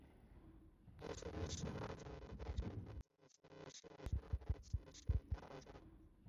本属的化石物种存在于渐新世到上新世的欧洲。